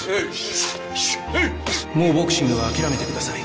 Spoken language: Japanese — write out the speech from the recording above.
もうボクシングは諦めてください。